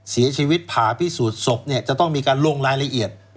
เสียชีวิตผ่าพิสูจน์ศพเนี่ยจะต้องมีการลงรายละเอียด